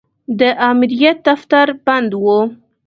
د امریت دفتر بند و.